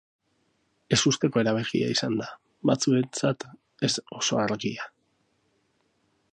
Ezusteko erabakia izan da, batzuentzat ez oso argia.